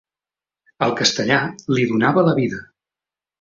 El castellà li donava la vida.